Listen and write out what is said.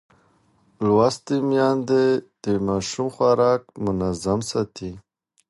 لوستې میندې د ماشوم خوراک منظم ساتي.